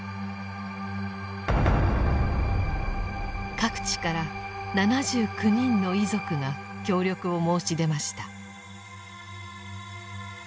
各地から７９人の遺族が協力を申し出ました。